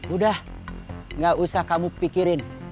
udah gak usah kamu pikirin